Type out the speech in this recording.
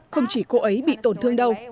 không chỉ cô ấy bị tổn thương đâu